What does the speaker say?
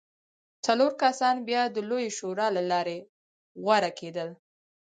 څلور کسان بیا د لویې شورا له لارې غوره کېدل